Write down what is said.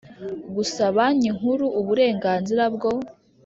gusaba Banki Nkuru uburenganzira bwo